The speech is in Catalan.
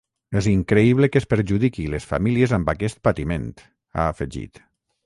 És increïble que es perjudiqui les famílies amb aquest patiment, ha afegit.